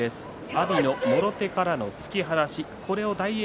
阿炎のもろ手からの突き放しこれを大栄